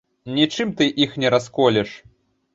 Нічым ты іх не расколеш.